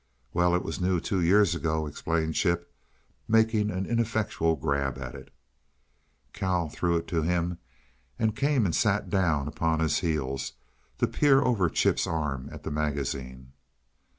"Well, it was new two years ago," explained Chip, making an ineffectual grab at it. Cal threw it to him and came and sat down upon his heels to peer over Chip's arm at the magazine.